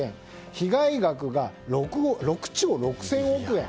被害額が６兆６０００億円。